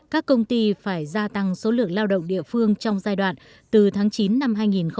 các công ty phải gia tăng số lượng lao động địa phương trong giai đoạn từ tháng chín năm hai nghìn một mươi chín